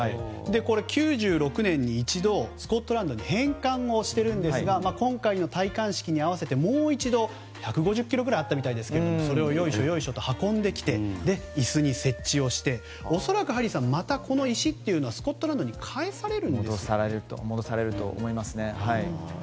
９６年に一度、スコットランドに返還しているんですが今回の戴冠式に合わせてもう一度１５０ｋｇぐらいあったそうですがよいしょよいしょと運んできて椅子に設置をして恐らくハリーさんまたこの石はスコットランドに戻されると思います。